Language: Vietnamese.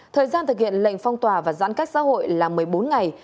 thời gian thực hiện lệnh phong tỏa và giãn cách xã hội là một mươi bốn ngày